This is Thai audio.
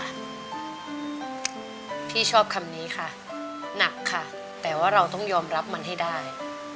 พี่ชอบคำนี้ค่ะหนักค่ะแต่ว่าเราต้องยอมรับมันให้ได้